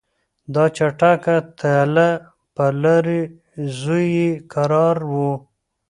دا چټکه تله پر لار زوی یې کرار وو